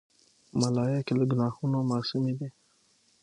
ملایکې له ګناهونو معصومی دي.